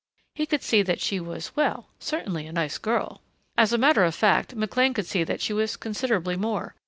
He could see that she was, well certainly a nice girl! As a matter of fact McLean could see that she was considerably more.